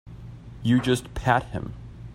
You just pat him.